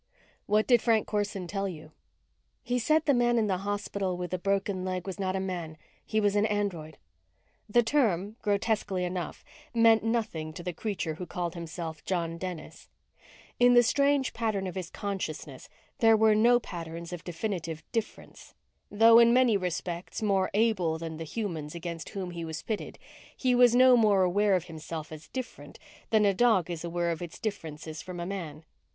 "What did Frank Corson tell you?" "He said the man in the hospital with a broken leg was not a man. He was an android." The term, grotesquely enough, meant nothing to the creature who called himself John Dennis. In the strange pattern of his consciousness there were no patterns of definitive difference. Though in many respects more able than the humans against whom he was pitted, he was no more aware of himself as different than a dog is aware of its differences from a man.